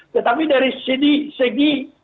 tetapi dari segi